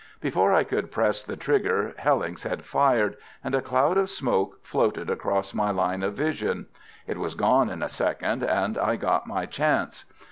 Before I could press the trigger Hellincks had fired, and a cloud of smoke floated across my line of vision. It was gone in a second, and I got my chance.